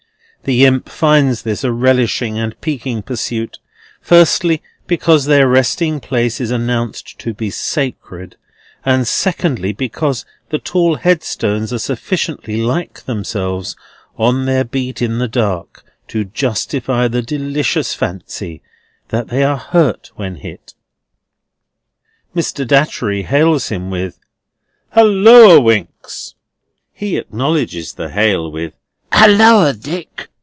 The Imp finds this a relishing and piquing pursuit; firstly, because their resting place is announced to be sacred; and secondly, because the tall headstones are sufficiently like themselves, on their beat in the dark, to justify the delicious fancy that they are hurt when hit. Mr. Datchery hails with him: "Halloa, Winks!" He acknowledges the hail with: "Halloa, Dick!"